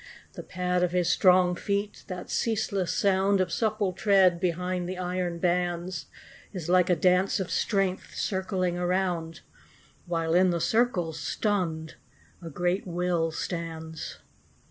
The pad of his strong feet, that ceaseless sound Of supple tread behind the iron bands, Is like a dance of strength circling around, While in the circle, stunned, a great will stands.